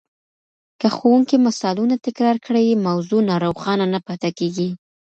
که ښوونکی مثالونه تکرار کړي، موضوع نا روښانه نه پاته کېږي.